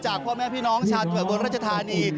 จากพวกแม่พี่น้องชาวอุบลรัชฐานี